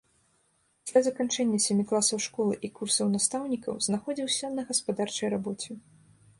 Пасля заканчэння сямі класаў школы і курсаў настаўнікаў знаходзіўся на гаспадарчай рабоце.